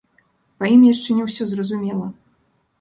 Па ім яшчэ не ўсё зразумела.